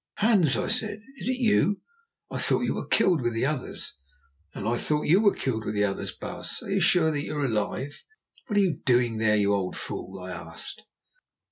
"Hans," I said, "is it you? I thought that you were killed with the others." "And I thought that you were killed with the others, baas. Are you sure that you are alive?" "What are you doing there, you old fool?" I asked.